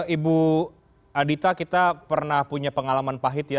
ibu adita kita pernah punya pengalaman pahit ya